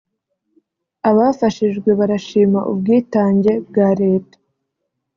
Abafashijwe barashima ubwitange bwa leta